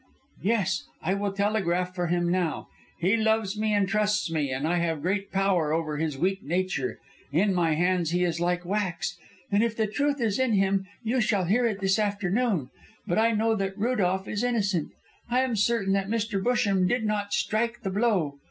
"Yes. I will telegraph for him now. He loves me and trusts me, and I have great power over his weak nature. In my hands he is like wax, and if the truth is in him you shall hear it this afternoon. But I know that Rudolph is innocent. I am certain that Mr. Busham did not strike the blow.